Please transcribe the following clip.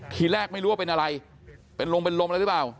ทีแรกไม่รู้ว่าเป็นอะไรเป็นลงอะไรว่ะ